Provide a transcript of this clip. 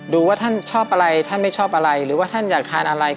ว่าท่านชอบอะไรท่านไม่ชอบอะไรหรือว่าท่านอยากทานอะไร